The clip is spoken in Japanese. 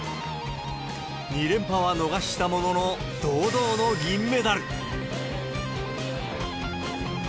２連覇は逃したものの、堂々の銀メダル。